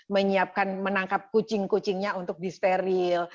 menyiapkan menangkap kucing kucingnya untuk disteril